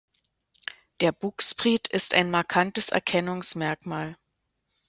Der Bugspriet ist ein markantes Erkennungsmerkmal.